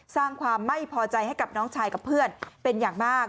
สร้างความไม่พอใจให้กับน้องชายกับเพื่อนเป็นอย่างมาก